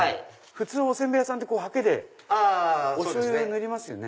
普通はお煎餅屋さんってはけでおしょうゆ塗りますよね。